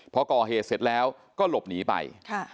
พอก่อเหตุเสร็จแล้วก็หลบหนีไป